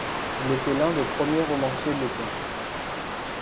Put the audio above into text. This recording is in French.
Il était l'un des premiers romanciers lettons.